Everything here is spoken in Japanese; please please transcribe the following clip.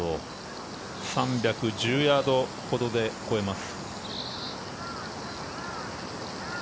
３１０ヤードほどで越えます。